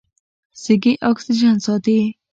سږي اکسیجن ساتي.